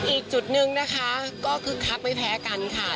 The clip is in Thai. อีกจุดนึงนะคะก็คึกคักไม่แพ้กันค่ะ